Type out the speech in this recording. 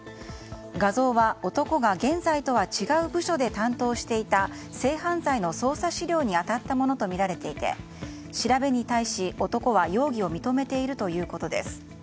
画像は、男が現在とは違う部署で担当していた性犯罪の捜査資料に当たったものとみられていて調べに対し男は容疑を認めているということです。